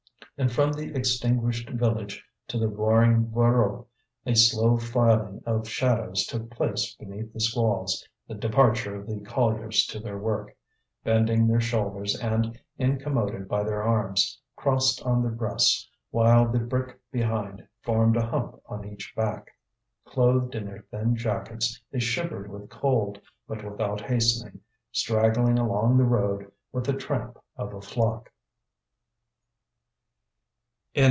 And from the extinguished village to the roaring Voreux a slow filing of shadows took place beneath the squalls, the departure of the colliers to their work, bending their shoulders and incommoded by their arms, crossed on their breasts, while the brick behind formed a hump on each back. Clothed in their thin jackets they shivered with cold, but without hastening, straggling along the road with the tramp of a flock.